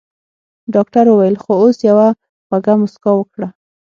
ډاکټر وويل خو اوس يوه خوږه مسکا وکړه.